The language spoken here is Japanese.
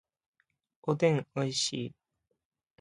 おでんおいしい